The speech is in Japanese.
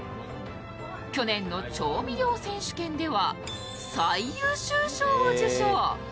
去年の調味料選手権では最優秀賞を受賞。